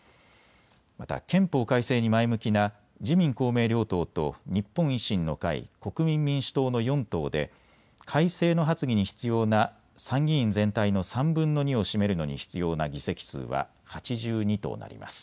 また憲法改正に前向きな自民公明両党と日本維新の会、国民民主党の４党で改正の発議に必要な参議院全体の３分の２を占めるのに必要な議席数は８２となります。